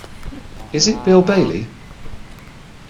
Is it Bill Bailey?